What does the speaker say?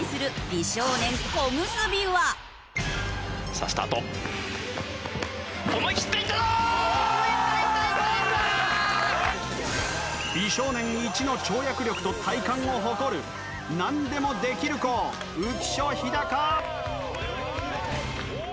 美少年いちの跳躍力と体幹を誇るなんでもできる子浮所飛貴